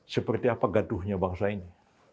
seperti apa gaduhnya bangsa ini